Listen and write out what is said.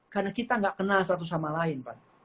karena kita nggak kenal satu sama lain pan